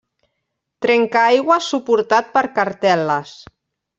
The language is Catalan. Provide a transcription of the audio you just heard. Trencaaigües suportat per cartel·les.